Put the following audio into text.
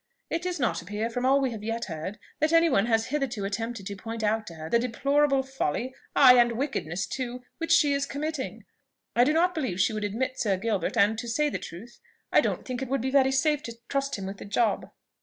It does not appear, from all we have yet heard, that any one has hitherto attempted to point out to her the deplorable folly, ay, and wickedness too, which she is committing. I do not believe she would admit Sir Gilbert; and, to say the truth, I don't think it would be very safe to trust him with the job."